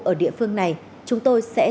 ở địa phương này chúng tôi sẽ